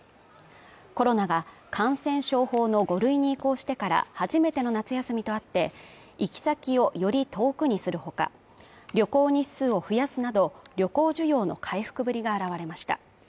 コロナが感染症法の５類に移行してから初めての夏休みとあって、行き先をより遠くにする他、旅行日数を増やすなど、旅行需要の回復ぶりが現れました。